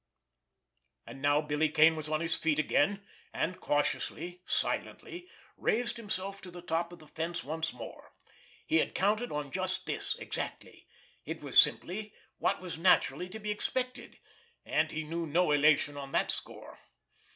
And now Billy Kane was on his feet again, and cautiously, silently, raised himself to the top of the fence once more. He had counted on just this exactly, it was simply what was naturally to be expected, and he knew no elation on that score.